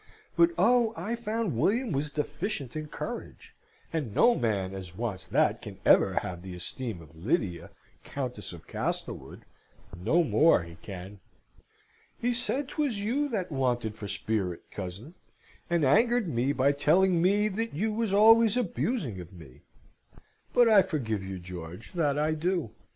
but, oh! I found William was deficient in courage, and no man as wants that can ever have the esteem of Lydia, Countess of Castlewood, no more he can! He said 'twas you that wanted for spirit, cousin, and angered me by telling me that you was always abusing of me. But I forgive you, George, that I do!